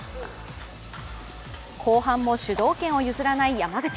後半も主導権を譲らない山口。